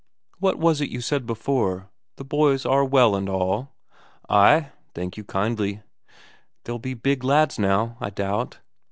What was it you said before the boys are well and all?" "Ay, thank you kindly." "They'll be big lads now, I doubt?"